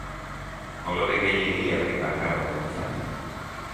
Kolore gehiegi herri bakar batentzat.